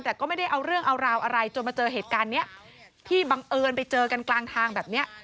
แต่ก็ไม่ได้เอาเรื่องเอาราวอะไรจนมาเจอเหตุการณ์เนี้ยที่บังเอิญไปเจอกันกลางทางแบบเนี้ย